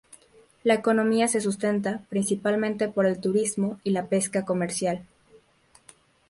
La economía se sustenta principalmente por el turismo y la pesca comercial.